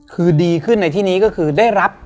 คือดีขึ้นในที่นี้ก็คือได้รับ